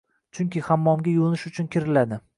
Chunki hammomga yuvinish uchun kiriladi.